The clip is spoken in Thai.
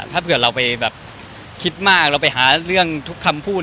ถ้าเผื่อเราไปแบบคิดมากเราไปหาเรื่องทุกคำพูด